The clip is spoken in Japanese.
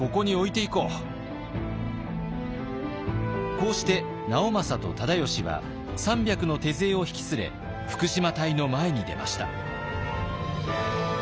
こうして直政と忠吉は３００の手勢を引き連れ福島隊の前に出ました。